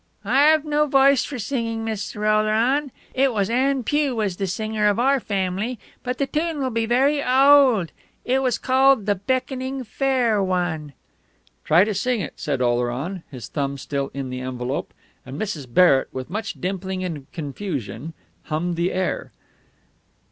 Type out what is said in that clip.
"I have no voice for singing, Mr. Oleron; it was Ann Pugh was the singer of our family; but the tune will be very o ald, and it is called 'The Beckoning Fair One.'" "Try to sing it," said Oleron, his thumb still in the envelope; and Mrs. Barrett, with much dimpling and confusion, hummed the air.